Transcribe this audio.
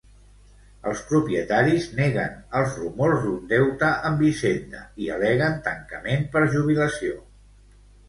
Els propietaris neguen els rumors d'un deute amb Hisenda i al·leguen tancament per jubilació.